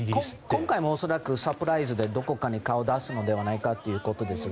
今回も恐らくサプライズでどこかに顔を出すのではないかということですが。